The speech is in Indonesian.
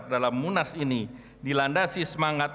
dalam munas ini dilandasi semangat